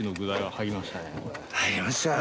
入りましたよ。